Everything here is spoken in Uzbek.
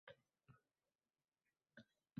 Unga yotdir bu jahon.